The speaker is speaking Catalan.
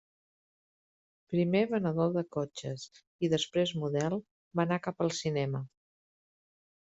Primer venedor de cotxes i, després model, va anar cap al cinema.